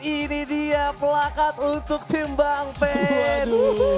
ini dia pelakat untuk tim bang pen